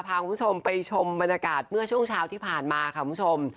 พาคุณผู้ชมไปชมบรรยากาศเมื่อช่วงเช้าที่ผ่านมาค่ะคุณผู้ชม